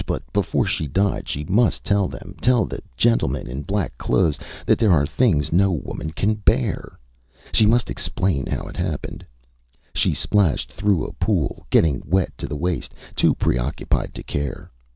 But before she died she must tell them tell the gentlemen in black clothes that there are things no woman can bear. She must explain how it happened. ... She splashed through a pool, getting wet to the waist, too preoccupied to care.